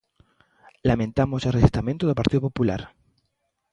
Lamentamos o rexeitamento do Partido Popular.